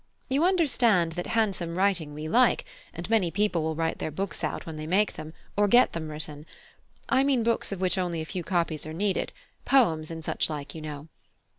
You understand that handsome writing we like, and many people will write their books out when they make them, or get them written; I mean books of which only a few copies are needed poems, and such like, you know.